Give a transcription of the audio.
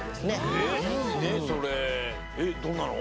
えっそれどんなの？